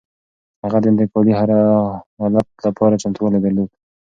هغه د انتقالي حالت لپاره چمتووالی درلود.